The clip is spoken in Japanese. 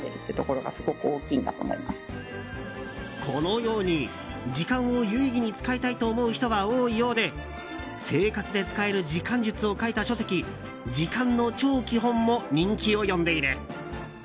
このように時間を有意義に使いたいと思う人は多いようで生活で使える時間術を書いた書籍「時間の超基本」も人気を呼んでいる。